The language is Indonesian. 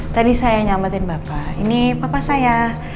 tadi saya yang nyelamatkan bapak ini bapak saya